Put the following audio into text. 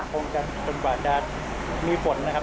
คงจะจนกว่าจะมีฝนนะครับ